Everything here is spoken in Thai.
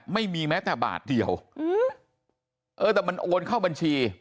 ไม่มีแม้แต่บาทเดียวเออแต่มันโอนเข้าบัญชี